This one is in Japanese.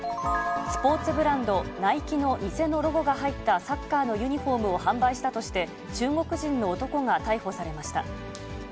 スポーツブランド、ナイキの偽のロゴが入ったサッカーのユニホームを販売したとして、中国人の男が逮捕されました。